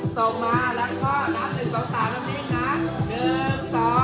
สวัสดีครับครับ